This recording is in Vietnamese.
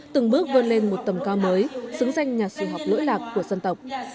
từng bước vươn lên một tầm cao mới xứng danh nhà sử học lỗi lạc của dân tộc